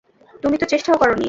তুমি তো চেষ্টাও করোনি।